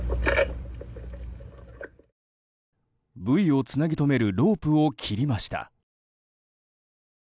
ブイをつなぎ止めるロープを切りました。